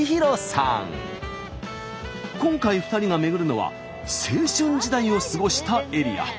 今回２人が巡るのは青春時代を過ごしたエリア。